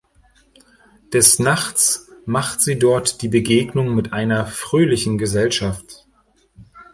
Des Nachts macht sie dort die Begegnung mit einer fröhlichen Gesellschaft.